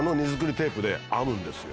テープで編むんですよ